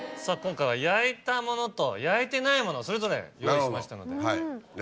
今回は焼いたものと焼いてないものそれぞれご用意しましたので。